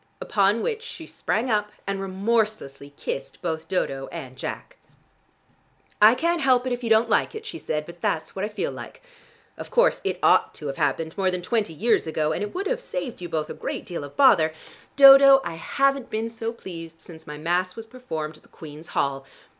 Upon which she sprang up and remorselessly kissed both Dodo and Jack. "I can't help it if you don't like it," she said; "but that's what I feel like. Of course it ought to have happened more than twenty years ago, and it would have saved you both a great deal of bother. Dodo, I haven't been so pleased since my mass was performed at the Queen's Hall.